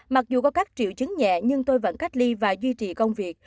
mặc dù có các triệu chứng nhẹ nhưng tôi vẫn cách ly và duy trì công việc